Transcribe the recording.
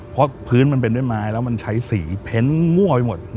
เพราะพื้นมันเป็นด้วยไม้แล้วมันใช้สีเพ้นมั่วไปหมด